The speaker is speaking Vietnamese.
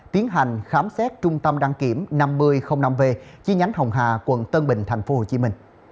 tiến hành khám xét trung tâm đăng kiểm năm v chi nhánh hồng hà quận tân bình tp hcm